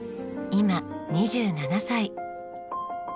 今２７歳。